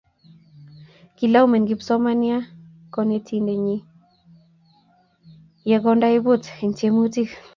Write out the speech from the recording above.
kilaumen kipsomanian konetinte nyiny ye kankoibut en tiemutich